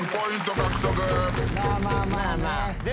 まあまあまあね。